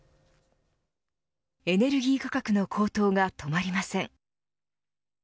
エネルギー価格の高騰が止まりません。